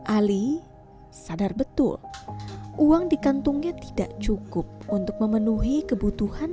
ali sadar betul uang dikantungnya tidak cukup untuk memenuhi keuntungan